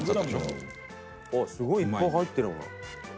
すごい、いっぱい入ってる。